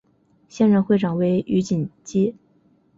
现任会长为余锦基。